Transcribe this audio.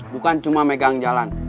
bukan cuma megang jalan